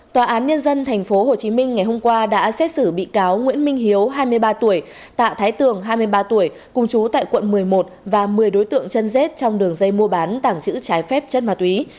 tòa án nhân dân tp hcm ngày hôm qua đã xét xử bị cáo nguyễn minh hiếu hai mươi ba tuổi tạ thái tường hai mươi ba tuổi cùng chú tại quận một mươi một và một mươi đối tượng chân rết trong đường dây mua bán tảng chữ trái phép chất ma túy